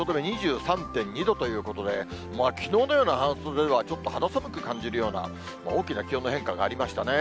今、汐留２３．２度ということで、きのうのような半袖では、ちょっと肌寒く感じるような、大きな気温の変化がありましたね。